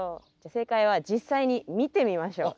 正解は実際に見てみましょう。